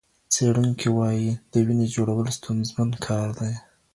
څېړونکي وايي، د وینې جوړول ستونزمن کار دی.